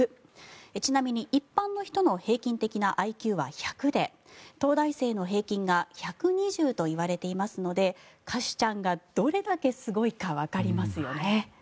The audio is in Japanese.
ちなみに一般の平均的なＩＱは１００で東大生の平均が１２０といわれていますのでカシュちゃんがどれだけすごいかわかりますよね。